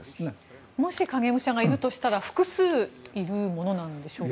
もし影武者がいるとしたら複数いるものでしょうか。